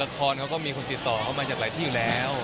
ละครเขาก็มีคนติดต่อเขามาจากหลายที่อยู่แล้ว